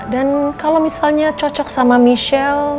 dan kalau misalnya cocok sama michelle